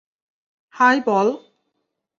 High, Paul.